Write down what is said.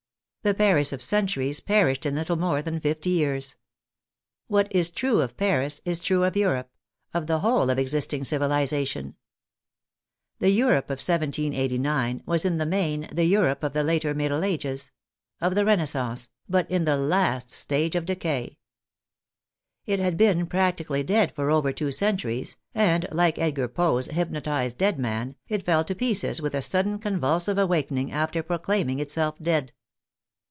The Paris of centuries perished in little more than fifty years. What is true of Paris is true of Europe — of the whole of existing civilization. The Europe of 1789 was in the main the Europe of the later middle ages — of the renaissance — ^but in the last stage of decay. It had been practically dead for over two centuries, and like Edgar Poe's hypnotized dead man, it fell to pieces with a sudden convulsive awaking after proclaiming itself dead.